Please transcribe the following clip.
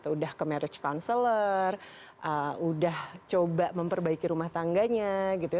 udah ke marriage counselor udah coba memperbaiki rumah tangganya gitu ya